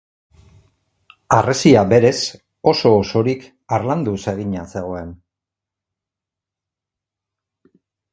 Harresia berez, oso-osorik, harlanduz egina zegoen.